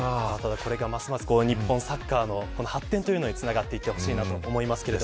これから、ますます日本サッカーの発展につながっていってほしいですね。